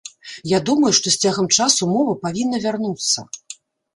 Я думаю, што з цягам часу мова павінна вярнуцца.